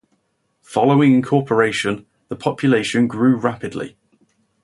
Following incorporation, the population grew rapidly.